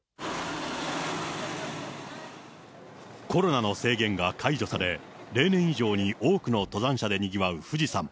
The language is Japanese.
コロナの制限が解除され、例年以上に多くの登山者でにぎわう富士山。